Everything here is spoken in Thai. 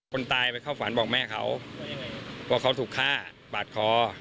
คนตายไปเข้าฝันบอกแม่เขาว่าเขาถูกฆ่าปาดคอ